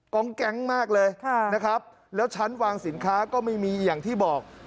องแก๊งมากเลยนะครับแล้วชั้นวางสินค้าก็ไม่มีอย่างที่บอก